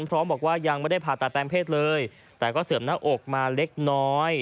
พร้อมบอกว่ายังไม่ได้ผ่าตัดแปลงเพศเลยแต่ก็เสื่อมหน้าอกมาเล็กน้อย